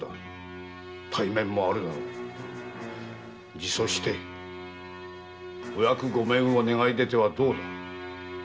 自訴してお役御免を願い出てはどうだ。